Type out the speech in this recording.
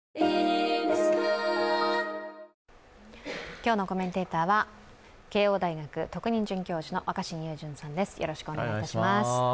今日のコメンテーターは慶応大学特任准教授の若新雄純さんです。